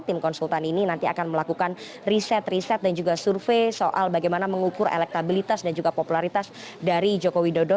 tim konsultan ini nanti akan melakukan riset riset dan juga survei soal bagaimana mengukur elektabilitas dan juga popularitas dari joko widodo